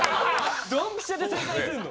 ドンピシャで正解するの。